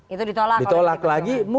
itu ditolak lagi